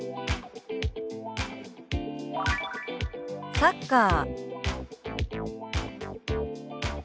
「サッカー」。